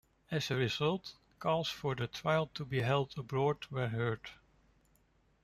As a result, calls for the trial to be held abroad were heard.